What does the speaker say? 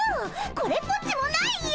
これっぽっちもないよ！